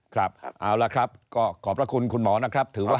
ครับเอาละครับก็ขอบพระคุณคุณหมอนะครับถือว่า